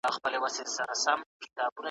انټرنېټ بېلابېل کلتورونه نږدې کوي.